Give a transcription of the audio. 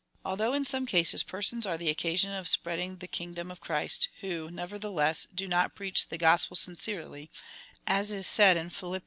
Although in some cases persons are the occasion of spreading the kingdom of Christ, who, never theless, do not preach the gospel sincerely, as is said in Phil, i.